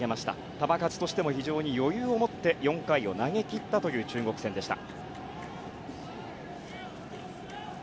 球数としても非常に余裕を持って４回を投げ切ったという中国戦でした。